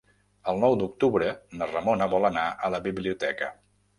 El nou d'octubre na Ramona vol anar a la biblioteca.